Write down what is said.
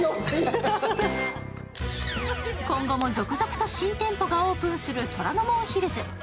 今後も続々と新店舗がオープンする虎ノ門ヒルズ。